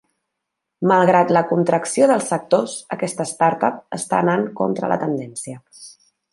Malgrat la contracció dels sectors, aquesta startup està anant contra la tendència.